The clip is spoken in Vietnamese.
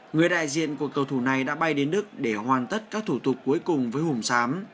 người đại diện của cầu thủ này đã bay đến đức để hoàn tất các thủ tục cuối cùng với hùng sám